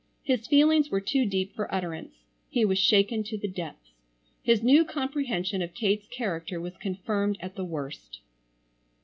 His feelings were too deep for utterance. He was shaken to the depths. His new comprehension of Kate's character was confirmed at the worst.